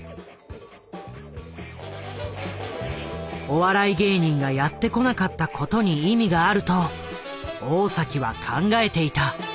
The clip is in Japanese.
お笑い芸人がやってこなかったことに意味があると大は考えていた。